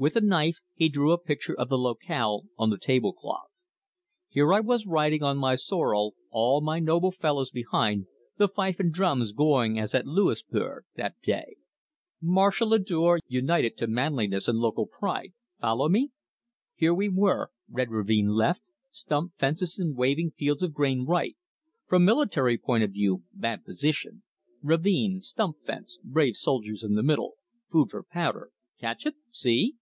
With a knife he drew a picture of the locale on the table cloth. "Here I was riding on my sorrel, all my noble fellows behind, the fife and drums going as at Louisburg that day! Martial ardour united to manliness and local pride follow me? Here we were, Red Ravine left, stump fences and waving fields of grain right. From military point of view, bad position ravine, stump fence, brave soldiers in the middle, food for powder catch it? see?"